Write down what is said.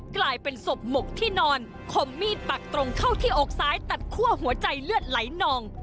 กลายเป็นศพหมกที่นอนคมมีดปักตรงเข้าที่อกซ้ายตัดคั่วหัวใจเลือดไหลนอง